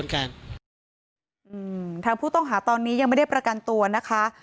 ทางผู้ต้องหาตอนนี้ยังไม่ได้ประกันตัวนะคะ